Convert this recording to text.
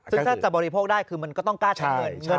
ซึ่งถ้าจะบริโภคได้คือมันก็ต้องกล้าใช้เงิน